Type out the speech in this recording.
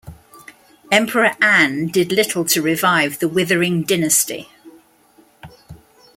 Emperor An did little to revive the withering dynasty.